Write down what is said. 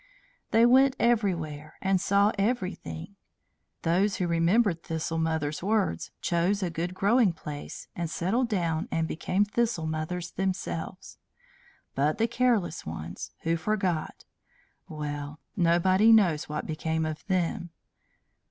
They went everywhere and saw everything. Those who remembered Thistle Mother's words chose a good growing place and settled down and became Thistle Mothers themselves; but the careless ones, who forgot well, nobody knows what became of them.